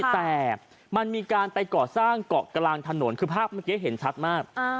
แต่มันมีการไปก่อสร้างเกาะกลางถนนคือภาพเมื่อกี้เห็นชัดมาก